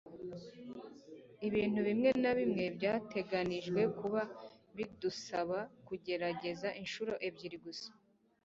ibintu bimwe na bimwe byateganijwe kuba - bidusaba kugerageza inshuro ebyiri gusa